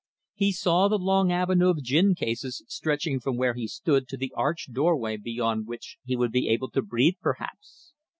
He saw the long avenue of gin cases stretching from where he stood to the arched doorway beyond which he would be able to breathe perhaps.